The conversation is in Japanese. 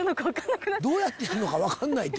どうやってやるのか分かんないって。